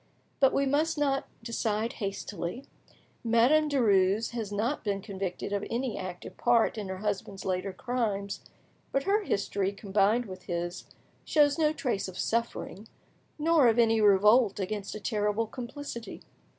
But we must not decide hastily. Madame Denies has not been convicted of any active part in her husband's later crimes, but her history, combined with his, shows no trace of suffering, nor of any revolt against a terrible complicity.